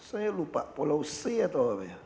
saya lupa pulau c atau apa ya